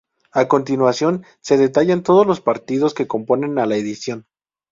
A continuación se detallan todos los partidos que componen a la edición.